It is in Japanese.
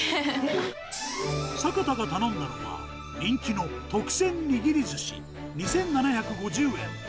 坂田が頼んだのは、人気の特選にぎり鮨２７５０円。